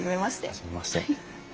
初めまして。